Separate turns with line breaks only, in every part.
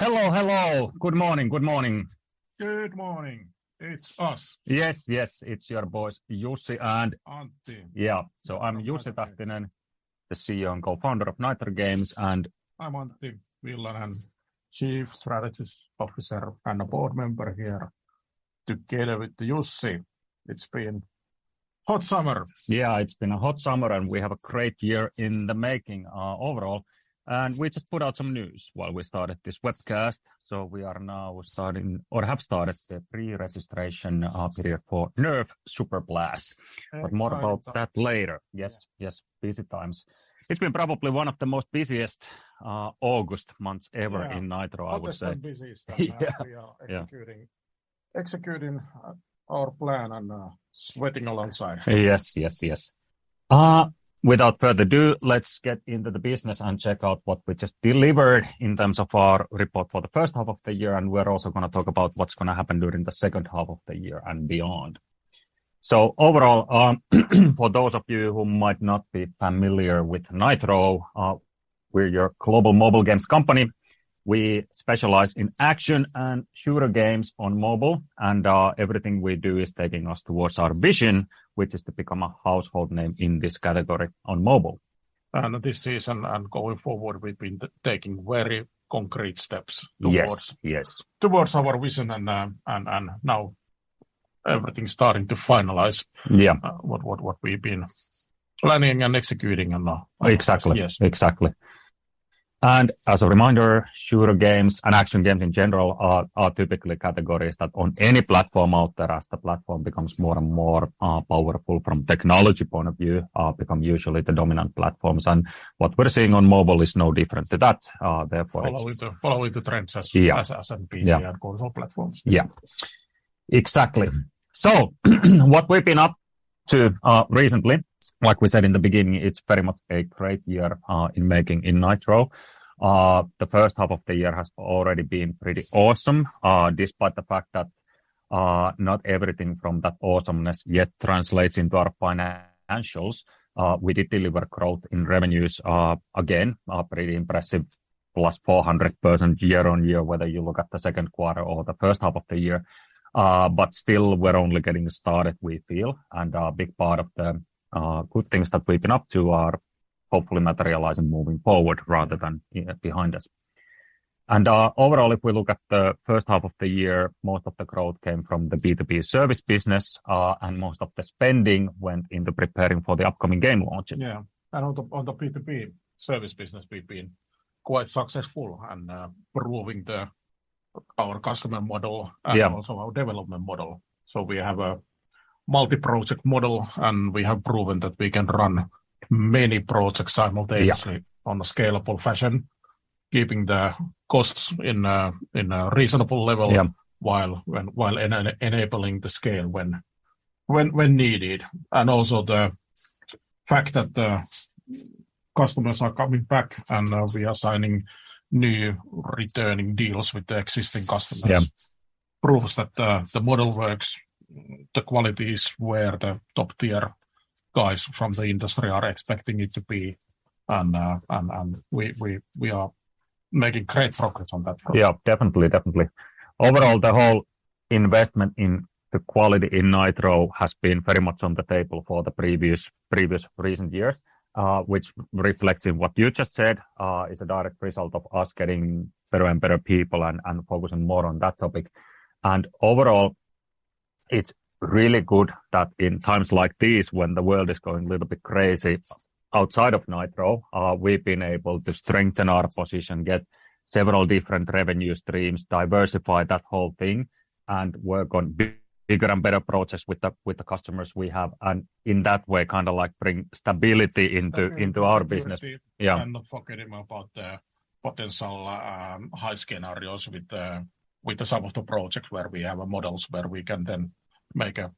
Hello. Good morning.
Good morning. It's us.
Yes. Yes. It's your boys, Jussi and.
Antti.
Yeah. I'm Jussi Tähtinen, the CEO and Co-founder of Nitro Games.
I'm Antti Villanen, Chief Strategist Officer and a Board Member here together with Jussi. It's been hot summer.
Yeah, it's been a hot summer, and we have a great year in the making, overall. We just put out some news while we started this webcast. We are now starting or have started the pre-registration period for NERF: Superblast. More about that later. Yes, yes. Busy times. It's been probably one of the most busiest August months ever in Nitro, I would say.
August is the busiest time.
Yeah. Yeah...
of the year. Executing our plan and sweating alongside.
Yes. Without further ado, let's get into the business and check out what we just delivered in terms of our report for the first half of the year, and we're also gonna talk about what's gonna happen during the second half of the year and beyond. Overall, for those of you who might not be familiar with Nitro, we're a global mobile games company. We specialize in action and shooter games on mobile. Everything we do is taking us towards our vision, which is to become a household name in this category on mobile.
This season and going forward, we've been taking very concrete steps towards.
Yes. Yes
towards our vision and now everything's starting to finalize.
Yeah
what we've been planning and executing
Exactly.
Yes.
Exactly. As a reminder, shooter games and action games in general are typically categories that on any platform out there, as the platform becomes more and more powerful from technology point of view, become usually the dominant platforms. What we're seeing on mobile is no different to that. Therefore it's
Following the trends as
Yeah
as in PC
Yeah
console platforms.
Yeah. Exactly. What we've been up to recently, like we said in the beginning, it's very much a great year in the making in Nitro. The first half of the year has already been pretty awesome. Despite the fact that not everything from that awesomeness yet translates into our financials. We did deliver growth in revenues again, a pretty impressive plus 400% year-on-year, whether you look at the second quarter or the first half of the year. Still we're only getting started, we feel and a big part of the good thing we have been up to are hopefully materializing, moving forward rather than behind us. And overall, if we look at the first half of the year, most of the growth came from the B2B service business. Most of the spending went into preparing for the upcoming game launches.
Yeah. On the B2B service business, we've been quite successful and proving our customer model.
Yeah
also our development model. We have a multi-project model, and we have proven that we can run many projects simultaneously.
Yeah
On a scalable fashion, keeping the costs in a reasonable level.
Yeah
While enabling the scale when needed. And also the fact that the customers are coming back and we are signing new returning deals with the existing customers.
Yeah
Proves that the model works, the quality is where the top tier guys from the industry are expecting it to be. We are making great progress on that front.
Yeah, definitely. Definitely. Overall, the whole investment in the quality in Nitro has been very much on the table for the previous recent years, which reflects in what you just said, is a direct result of us getting better and better people and focusing more on that topic. And overall, it's really good that in times like these when the world is going a little bit crazy outside of Nitro, we've been able to strengthen our position, get several different revenue streams, diversify that whole thing, and work on bigger and better projects with the customers we have, and in that way, kinda like bring stability into our business.
Absolutely.
Yeah.
Not forgetting about the potential high scenarios with some of the projects where we have models where we can then make a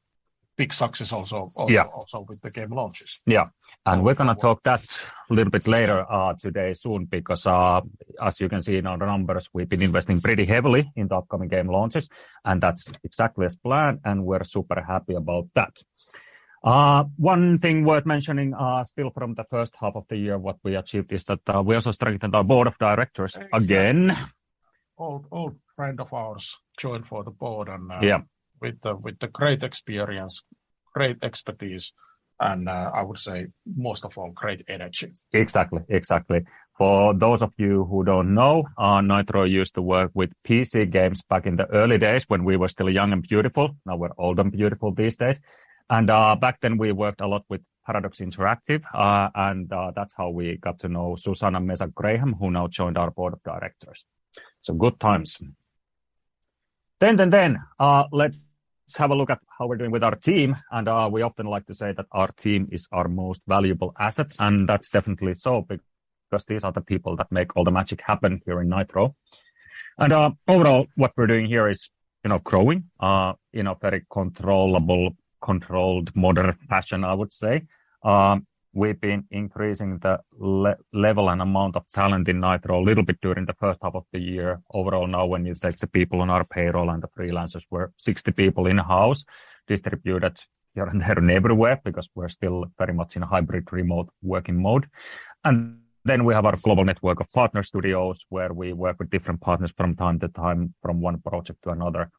big success also.
Yeah
also with the game launches.
Yeah. We're gonna talk that a little bit later, today soon because, as you can see in our numbers, we've been investing pretty heavily in the upcoming game launches, and that's exactly as planned, and we're super happy about that. One thing worth mentioning, still from the first half of the year, what we achieved is that, we also strengthened our board of directors again.
Exactly. Old, old friend of ours joined for the board and.
Yeah
with the great experience, great expertise, and I would say, most of all, great energy.
Exactly. For those of you who don't know, Nitro used to work with PC games back in the early days when we were still young and beautiful. Now we're old and beautiful these days. Back then, we worked a lot with Paradox Interactive. That's how we got to know Susana Meza Graham, who now joined our board of directors. Good times. Let's have a look at how we're doing with our team. And uh we often like to say that our team is our most valuable assets, and that's definitely so because these are the people that make all the magic happen here in Nitro. Overall, what we're doing here is, you know, growing uh in a very controllable, controlled, moderate fashion, I would say. We've been increasing the level and amount of talent in Nitro a little bit during the first half of the year. Overall now, when you say the people on our payroll and the freelancers, we're 60 people in-house distributed here and there everywhere because we're still very much in a hybrid remote working mode. We have our global network of partner studios where we work with different partners from time to time, from one project to another.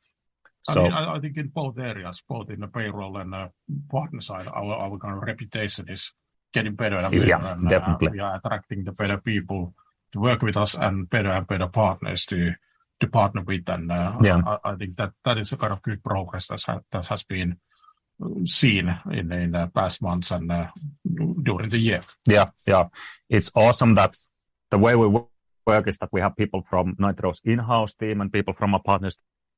I mean, I think in both areas, both in the payroll and partner side, our kind of reputation is getting better and better.
Yeah, definitely.
We are attracting the better people to work with us and better and better partners to partner with.
Yeah
I think that is a kind of good progress that has been seen in the past months and uh during the year.
Yeah. Yeah. It's awesome that the way we work is that we have people from Nitro's in-house team and people from our partners'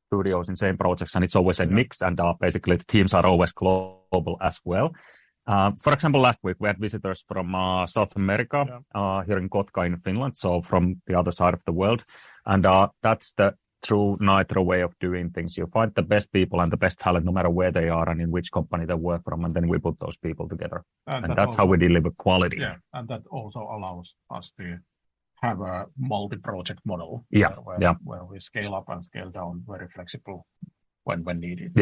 studios in same projects, and it's always a mix and, basically the teams are always global as well. For example, last week we had visitors from South America.
Yeah
here in Kotka in Finland, so from the other side of the world. That's the true Nitro way of doing things. You find the best people and the best talent no matter where they are and in which company they work from, and then we put those people together.
And that also-
That's how we deliver quality.
Yeah. That also allows us to have a multi-project model.
Yeah, yeah.
where we scale up and scale down very flexible when needed.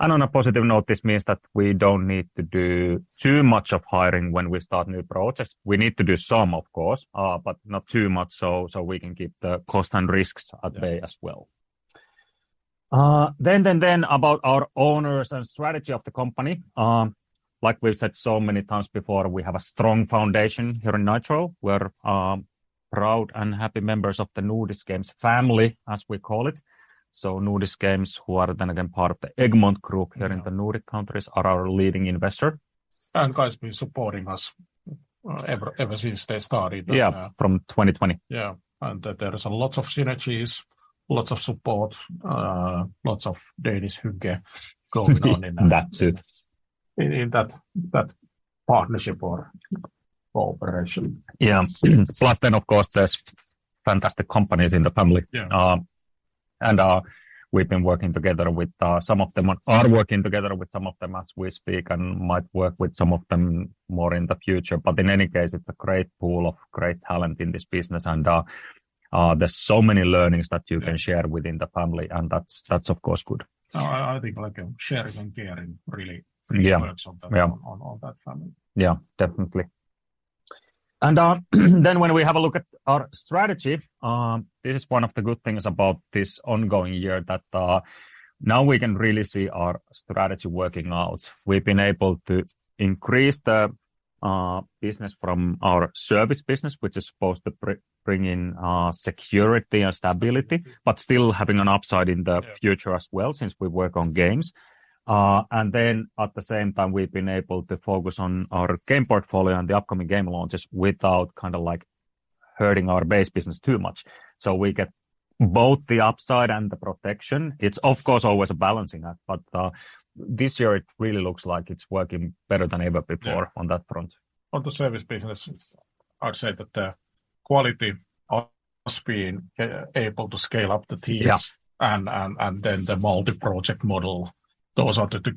On a positive note, this means that we don't need to do too much of hiring when we start new projects. We need to do some, of course, but not too much, so we can keep the cost and risks at bay as well. Then about our owners and strategy of the company. Like we've said so many times before, we have a strong foundation here in Nitro. We're proud and happy members of the Nordic Games family, as we call it. Nordic Games, who are then again part of the Egmont Group here in the Nordic countries, are our leading investor.
Has been supporting us ever since they started.
Yeah, from 2020.
Yeah. There is lots of synergies, lots of support, lots of Danish hygge going on in that.
That's it.
in that partnership or cooperation.
Yeah. Of course there's fantastic companies in the family.
Yeah.
We've been working together with some of them, are working together with some of them as we speak, and might work with some of them more in the future. In any case, it's a great pool of great talent in this business, and there's so many learnings that you can share within the family, and that's of course good.
I think like sharing and caring really.
Yeah
works on that family.
Yeah, definitely. When we have a look at our strategy, this is one of the good things about this ongoing year that now we can really see our strategy working out. We've been able to increase the business from our service business, which is supposed to bring in security and stability, but still having an upside in the future as well since we work on games. At the same time, we've been able to focus on our game portfolio and the upcoming game launches without kind of like hurting our base business too much. We get both the upside and the protection. It's of course always a balancing act, but this year it really looks like it's working better than ever before.
Yeah
On that front.
On the service business, I would say that the quality has been able to scale up the teams-
Yeah
The multi-project model, those are the two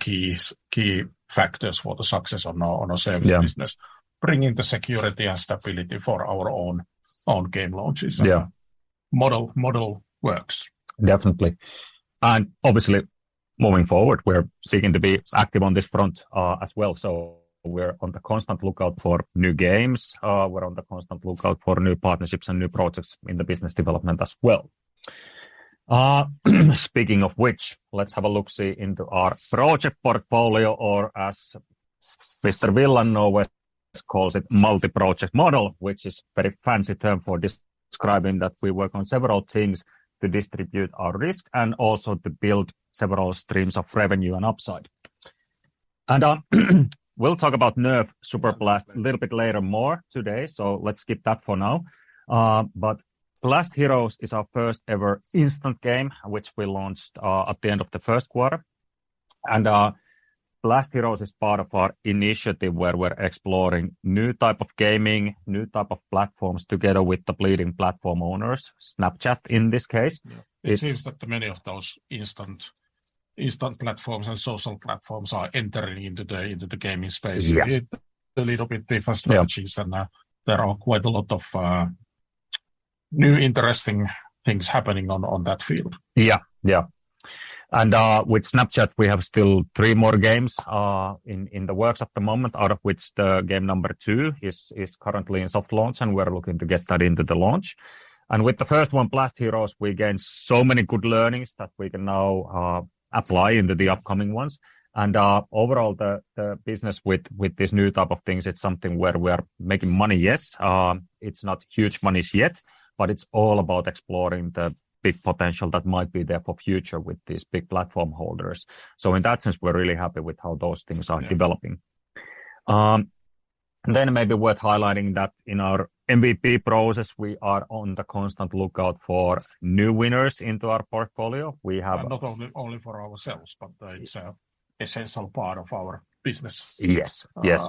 key factors for the success on our service business.
Yeah.
Bringing the security and stability for our own game launches.
Yeah.
Model works.
Definitely. Obviously moving forward, we're seeking to be active on this front, as well, so we're on the constant lookout for new games. We're on the constant lookout for new partnerships and new projects in the business development as well. Speaking of which, let's have a looksee into our project portfolio or as Mr. Villanen always calls it, multi-project model, which is very fancy term for describing that we work on several teams to distribute our risk and also to build several streams of revenue and upside. We'll talk about NERF: Superblast a little bit later more today, so let's skip that for now. Blast Heroes is our first ever instant game, which we launched at the end of the first quarter. Blast Heroes is part of our initiative where we're exploring new type of gaming, new type of platforms together with the leading platform owners, Snapchat in this case.
It seems that many of those instant platforms and social platforms are entering into the gaming space.
Yeah.
With a little bit different strategies.
Yeah.
There are quite a lot of new interesting things happening on that field.
With Snapchat, we have still three more games in the works at the moment, out of which the game number two is currently in soft launch, and we're looking to get that into the launch. With the first one, Blast Heroes, we gained so many good learnings that we can now apply into the upcoming ones. Overall, the business with this new type of things, it's something where we are making money, yes. It's not huge monies yet, but it's all about exploring the big potential that might be there for future with these big platform holders. In that sense, we're really happy with how those things are developing. It may be worth highlighting that in our MVP process, we are on the constant lookout for new winners into our portfolio. We have-
Not only for ourselves, but it's an essential part of our business.
Yes. Yes.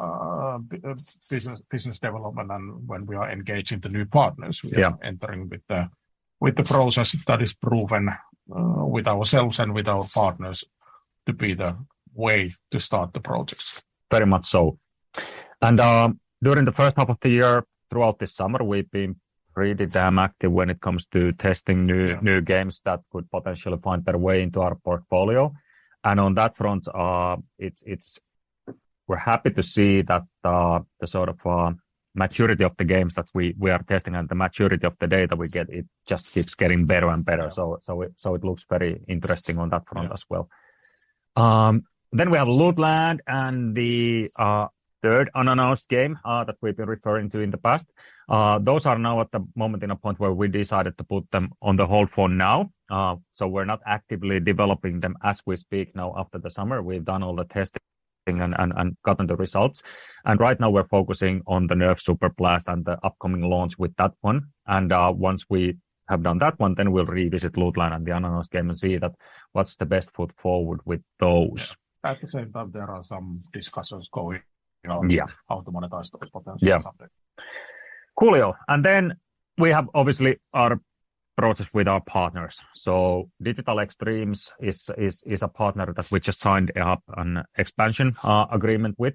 Business development and when we are engaging the new partners.
Yeah
We are entering with the process that is proven with ourselves and with our partners to be the way to start the projects.
Very much so. During the first half of the year, throughout this summer, we've been pretty damn active when it comes to testing new
Yeah...
new games that could potentially find their way into our portfolio. On that front, it's. We're happy to see that the maturity of the games that we are testing and the maturity of the data we get. It just keeps getting better and better. It looks very interesting on that front as well. We have Lootland and the third unannounced game that we've been referring to in the past. Those are now at the moment in a point where we decided to put them on hold for now. We're not actively developing them as we speak now after the summer. We've done all the testing and gotten the results. Right now we're focusing on the NERF: Superblast and the upcoming launch with that one. Once we have done that one, then we'll revisit Lootland and the unannounced game and see that what's the best foot forward with those.
At the same time, there are some discussions going, you know.
Yeah
how to monetize those potentially someday.
Yeah. Coolio. We have obviously our process with our partners. Digital Extremes is a partner that we just signed an expansion agreement with.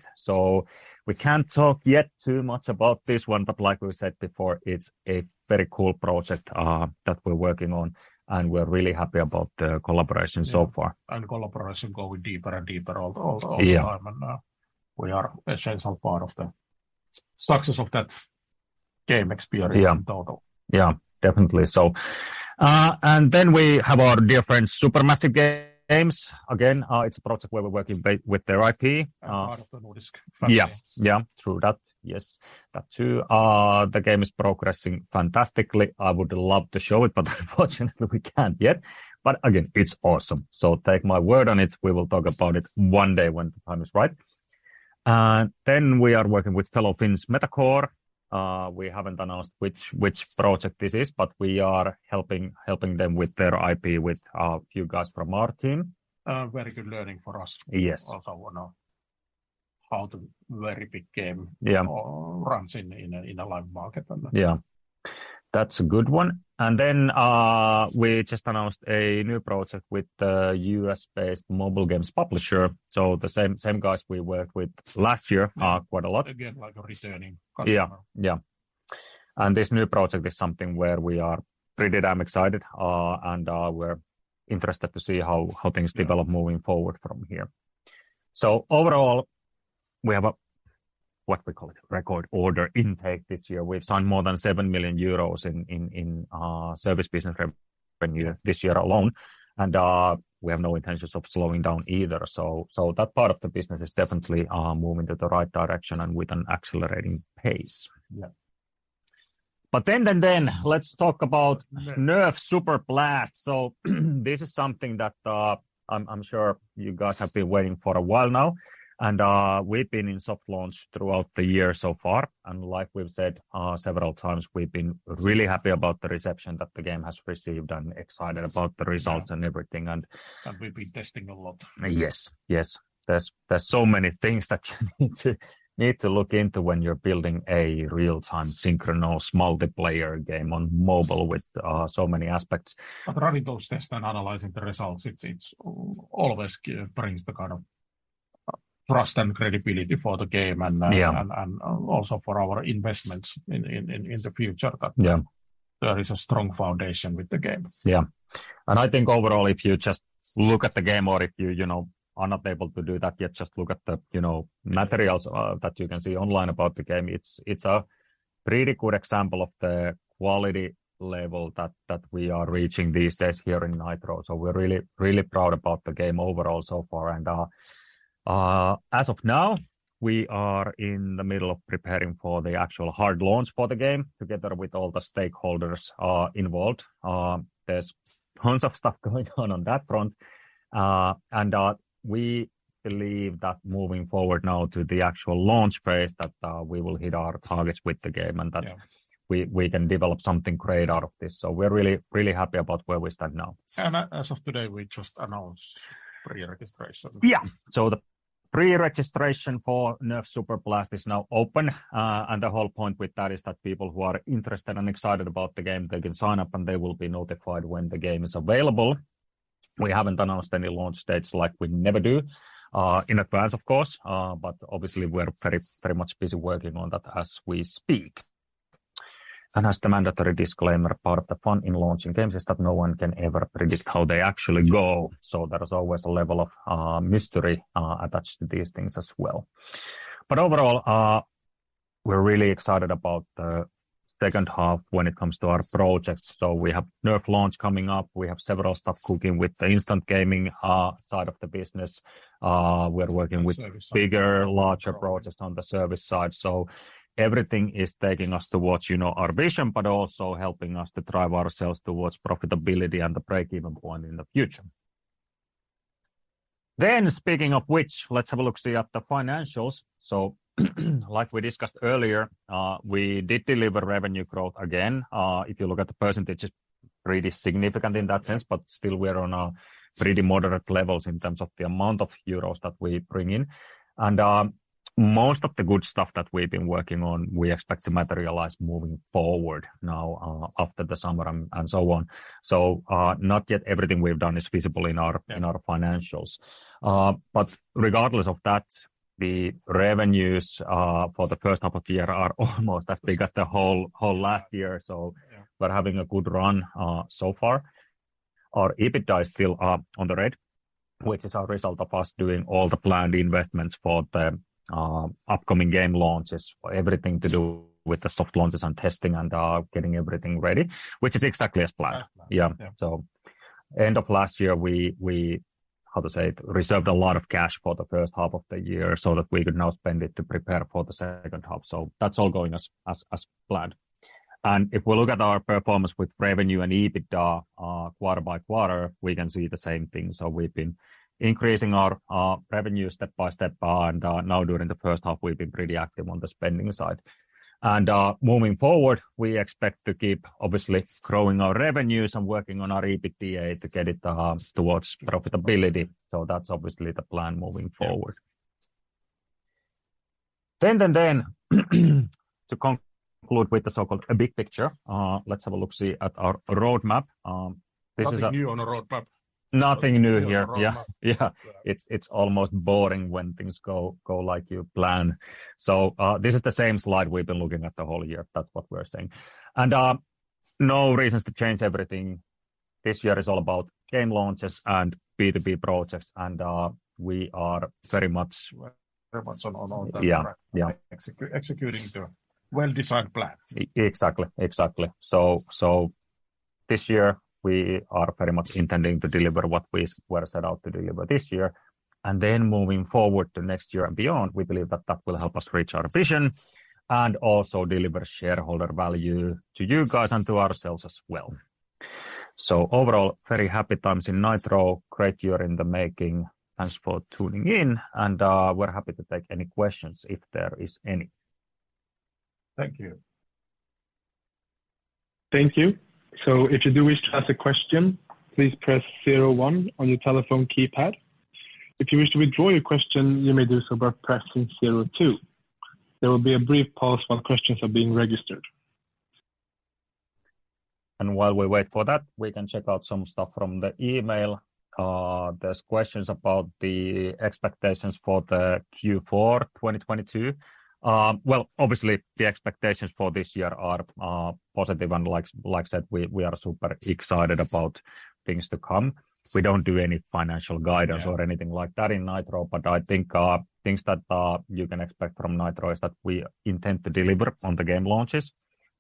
We can't talk yet too much about this one, but like we said before, it's a very cool project that we're working on, and we're really happy about the collaboration so far.
Yeah. Collaboration going deeper and deeper all the time.
Yeah.
We are an essential part of the success of that game experience.
Yeah
in total.
Yeah. Definitely. We have our dear friends, Supermassive Games. Again, it's a project where we're working with their IP.
Part of the Nordic franchise.
Yeah, yeah. Through that. Yes. That too. The game is progressing fantastically. I would love to show it, but unfortunately we can't yet. Again, it's awesome. Take my word on it. We will talk about it one day when the time is right. We are working with fellow Finns Metacore. We haven't announced which project this is, but we are helping them with their IP with a few guys from our team.
Very good learning for us.
Yes
also on how to very big game
Yeah
runs in a live market and then
Yeah. That's a good one. We just announced a new project with the US-based mobile games publisher. The same guys we worked with last year, quite a lot.
Again, like a returning customer.
Yeah, yeah. This new project is something where we are pretty damn excited, and we're interested to see how things develop moving forward from here. Overall, we have what we call a record order intake this year. We've signed more than 7 million euros in service business revenue this year alone. We have no intentions of slowing down either. That part of the business is definitely moving to the right direction and with an accelerating pace.
Yeah.
Let's talk about.
Nerf
NERF: Superblast. This is something that, I'm sure you guys have been waiting for a while now. We've been in soft launch throughout the year so far. Like we've said, several times, we've been really happy about the reception that the game has received and excited about-
Yes
the results and everything.
We've been testing a lot.
Yes. Yes. There's so many things that you need to look into when you're building a real-time synchronous multiplayer game on mobile with so many aspects.
Running those tests and analyzing the results always brings the kind of trust and credibility for the game.
Yeah
also for our investments in the future.
Yeah
There is a strong foundation with the game.
Yeah. I think overall, if you just look at the game or if you know, are not able to do that yet, just look at the, you know, materials that you can see online about the game, it's a pretty good example of the quality level that we are reaching these days here in Nitro. We're really proud about the game overall so far. As of now, we are in the middle of preparing for the actual hard launch for the game together with all the stakeholders involved. There's tons of stuff going on on that front. We believe that moving forward now to the actual launch phase, that we will hit our targets with the game.
Yeah
that we can develop something great out of this. We're really happy about where we stand now.
As of today, we just announced pre-registration.
Yeah. The pre-registration for NERF: Superblast is now open. The whole point with that is that people who are interested and excited about the game, they can sign up, and they will be notified when the game is available. We haven't announced any launch dates like we never do in advance, of course. Obviously we're very, very much busy working on that as we speak. As the mandatory disclaimer, part of the fun in launching games is that no one can ever predict how they actually go, so there is always a level of mystery attached to these things as well. Overall, we're really excited about the second half when it comes to our projects. We have NERF: Superblast launch coming up. We have several stuff cooking with the instant gaming side of the business. Uh, we're working with-
Service side...
bigger, larger projects on the service side. Everything is taking us towards, you know, our vision, but also helping us to drive ourselves towards profitability and the break-even point in the future. Speaking of which, let's have a look-see at the financials. Like we discussed earlier, we did deliver revenue growth again. If you look at the percentage, it's really significant in that sense, but still we're on a pretty moderate levels in terms of the amount of euros that we bring in. Most of the good stuff that we've been working on, we expect to materialize moving forward now, after the summer and so on. Not yet everything we've done is visible in our financials. Regardless of that, the revenues for the first half of year are almost as big as the whole last year.
Yeah
We're having a good run so far. Our EBITDA is still in the red, which is our result of us doing all the planned investments for the upcoming game launches. Everything to do with the soft launches and testing and getting everything ready, which is exactly as planned.
As planned.
Yeah.
Yeah.
End of last year, we reserved a lot of cash for the first half of the year so that we could now spend it to prepare for the second half. That's all going as planned. If we look at our performance with revenue and EBITDA quarter by quarter, we can see the same thing. We've been increasing our revenue step by step, and now during the first half we've been pretty active on the spending side. Moving forward, we expect to keep obviously growing our revenues and working on our EBITDA to get it towards profitability. That's obviously the plan moving forward. To conclude with the so-called big picture, let's have a look-see at our roadmap. This is a
Nothing new on the roadmap.
Nothing new here.
New on the roadmap.
Yeah. Yeah.
Yeah.
It's almost boring when things go like you plan. This is the same slide we've been looking at the whole year. That's what we're saying. No reasons to change everything. This year is all about game launches and B2B projects and we are very much-
We're very much on that.
Yeah. Yeah.
Executing the well-designed plans.
Exactly. This year we are very much intending to deliver what we were set out to deliver this year. Then moving forward to next year and beyond, we believe that will help us reach our visions and also deliver shareholder value to you guys and to ourselves as well. So overall, very happy times in Nitro. Great year in the making. Thanks for tuning in, and we're happy to take any questions if there is any.
Thank you.
Thank you. If you do wish to ask a question, please press zero one on your telephone keypad. If you wish to withdraw your question, you may do so by pressing zero two. There will be a brief pause while questions are being registered.
While we wait for that, we can check out some stuff from the email. There's questions about the expectations for the Q4 2022. Well, obviously, the expectations for this year are positive and like said, we are super excited about things to come. We don't do any financial guidance.
Yeah
or anything like that in Nitro. I think things that you can expect from Nitro is that we intend to deliver on the game launches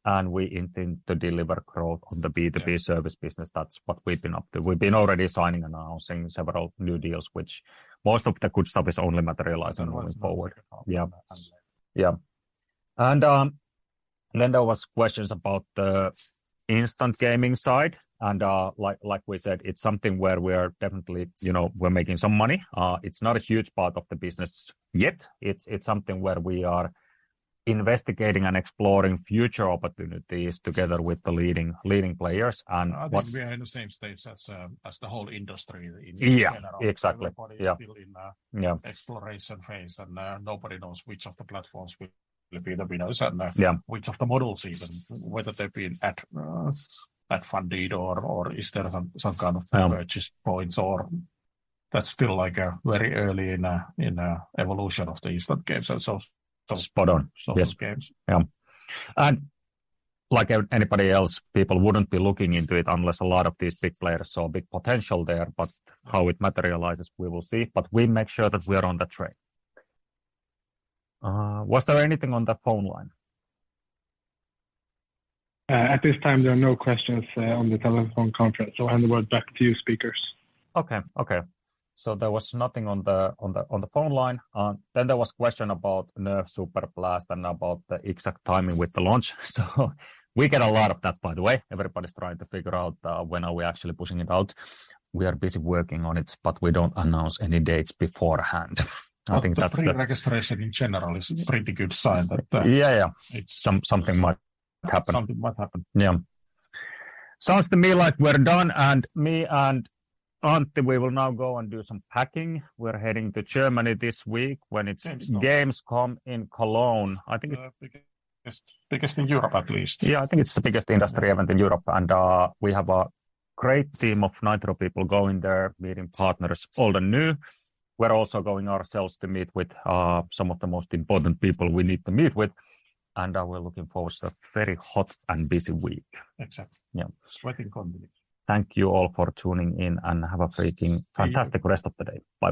and we intend to deliver growth on the B2B service business. That's what we've been up to. We've been already signing and announcing several new deals, which most of the good stuff is only materializing going forward.
Going forward.
Yeah.
And then-
Yeah. Then there was questions about the instant gaming side and, like we said, it's something where we're definitely, you know, we're making some money. It's not a huge part of the business yet. It's something where we are investigating and exploring future opportunities together with the leading players.
I think we are in the same stage as the whole industry in general.
Yeah. Exactly. Yeah.
Everybody is still in the-
Yeah
exploration phase, and nobody knows which of the platforms will be the winners and the
Yeah
which of the models even. Whether they've been ad funded or is there some kind of
Yeah
That's still like, very early in evolution of the instant games. So
Spot on. Yes
some games.
Yeah. Like anybody else, people wouldn't be looking into it unless a lot of these big players saw a big potential there, but how it materializes, we will see. We make sure that we are on the trend. Was there anything on the phone line?
At this time, there are no questions on the telephone conference, so I'll hand the word back to you speakers.
Okay. There was nothing on the phone line. There was question about NERF: Superblast and about the exact timing with the launch. We get a lot of that, by the way. Everybody's trying to figure out when are we actually pushing it out. We are busy working on it, but we don't announce any dates beforehand. I think that's the.
The pre-registration in general is a pretty good sign that,
Yeah, yeah....
it's-
Something might happen.
Something might happen.
Yeah. Sounds to me like we're done, and me and Antti, we will now go and do some packing. We're heading to Germany this week.
Seems so.
Gamescom in Cologne. I think it's.
The biggest in Europe, at least.
Yeah. I think it's the biggest industry event in Europe, and we have a great team of Nitro people going there, meeting partners old and new. We're also going ourselves to meet with some of the most important people we need to meet with, and we're looking forward to a very hot and busy week.
Exactly.
Yeah.
Sweating competition.
Thank you all for tuning in, and have a freaking fantastic.
See you.
Rest of the day. Bye bye.